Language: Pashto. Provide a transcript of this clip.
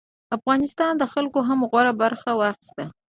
د افغانستان خلکو هم غوره برخه واخیسته.